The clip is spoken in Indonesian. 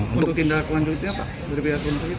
untuk tindak lanjutnya apa